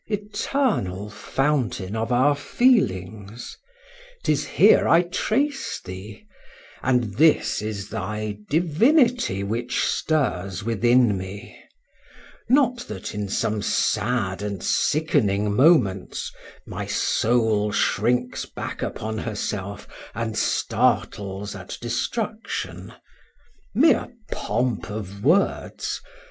—Eternal Fountain of our feelings!—'tis here I trace thee—and this is thy "divinity which stirs within me;"—not that, in some sad and sickening moments, "my soul shrinks back upon herself, and startles at destruction;"—mere pomp of words!